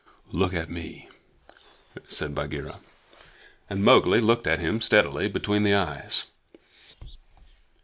"Look at me," said Bagheera. And Mowgli looked at him steadily between the eyes.